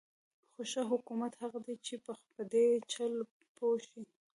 خو ښه حکومت هغه دی چې په دې چل پوه شي.